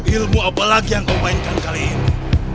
ilmu apa lagi yang kau mainkan kali ini